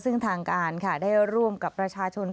ซึ่งทางการค่ะได้ร่วมกับประชาชน